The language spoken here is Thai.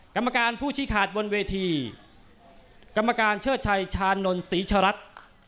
กรรมการผู้ชิ้นคาดบนเวทีกรรมการเชื่อชัยขาฉานนด์ศรีชรัตย์